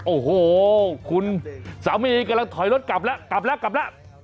โอ้โหคุณสามีกำลังถอยรถกลับแล้วกลับแล้วกลับแล้ว